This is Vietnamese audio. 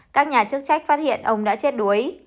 các nhà chức trách phát hiện ông đã chết đuối